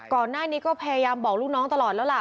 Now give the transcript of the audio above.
ก่อนหน้านี้ก็พยายามบอกลูกน้องตลอดแล้วล่ะ